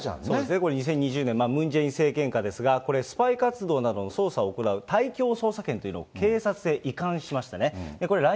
これ２０２０年、ムン・ジェイン政権下ですが、これ、スパイ活動などの捜査を行う対共捜査権というのを警察へ移管しましたね。